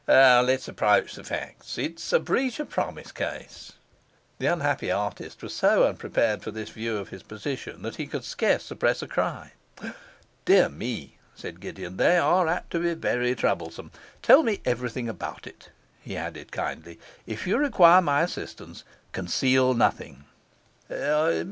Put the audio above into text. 'Let's approach the facts. It's a breach of promise case.' The unhappy artist was so unprepared for this view of his position that he could scarce suppress a cry. 'Dear me,' said Gideon, 'they are apt to be very troublesome. Tell me everything about it,' he added kindly; 'if you require my assistance, conceal nothing.